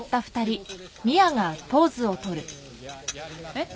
えっ？